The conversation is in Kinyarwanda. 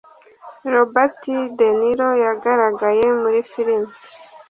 Robert Deniro yagaragaye muri firime